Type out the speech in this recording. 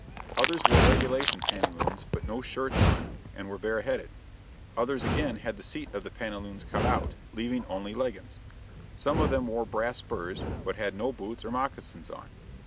Others wore regulation pantaloons but no shirts on and were bareheaded; others again had the seat of the pantaloons cut out, leaving only leggins; some of them wore brass spurs, but had no boots or moccasins on.